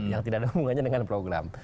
yang tidak ada hubungannya dengan program